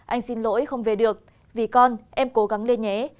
anh xin lỗi không về được vì con em cố gắng lên nhé